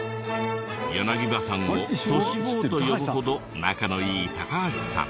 柳葉さんをトシ坊と呼ぶほど仲のいい橋さん。